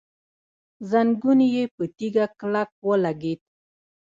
زنګون يې په تيږه کلک ولګېد.